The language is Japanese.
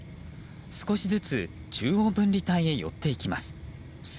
少しずつ中央分離帯へ寄っていきます。